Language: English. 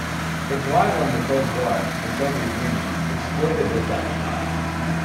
Its rival in the Cold War, the Soviet Union, exploited this at the time.